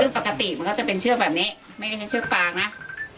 ซึ่งปกติมันก็จะเป็นเชือกแบบนี้ไม่ได้ใช้เชือกฟางนะ